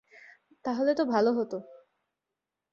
তাহলে তো ভালো হতো।